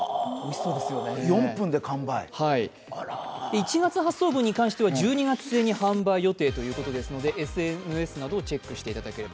１月発送分に関しては１２月に発送予定ということでＳＮＳなどをチェックしていただければ。